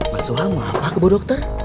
mas suha mau apa ke bu dokter